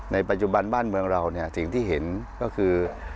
ในปัจจุบันบ้านเมืองเราเนี่ยสิ่งที่เห็นก็คือ